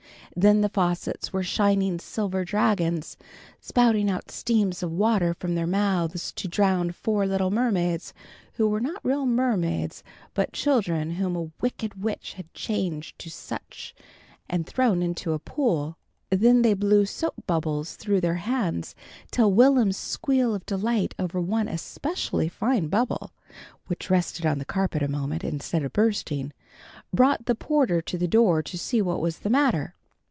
Then the faucets were shining silver dragons, spouting out streams of water from their mouths to drown four little mermaids, who were not real mermaids, but children whom a wicked witch had changed to such and thrown into a pool. Then they blew soap bubbles through their hands, till Will'm's squeal of delight over one especially fine bubble, which rested on the carpet a moment, instead of bursting, brought the porter to the door to see what was the matter.